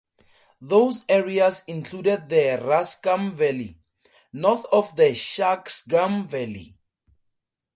Those areas included the Raskam Valley, north of the Shaksgam Valley.